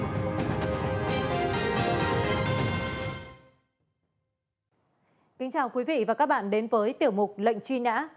kính chào quý vị và các bạn đến với tiểu mục lệnh truy nã